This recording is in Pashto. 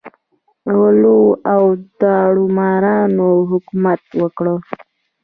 غلو او داړه مارانو حکومت وکړ.